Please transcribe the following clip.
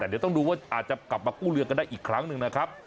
แต่เดี๋ยวต้องดูว่าอาจจะกลับมากู้เรือกันได้อีกครั้งหนึ่งนะครับ